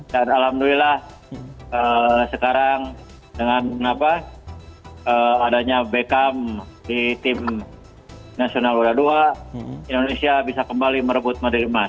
dan alhamdulillah sekarang dengan adanya beckham di tim nasional budha ii indonesia bisa kembali merebut medali emas